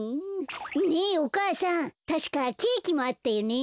ねえお母さんたしかケーキもあったよね。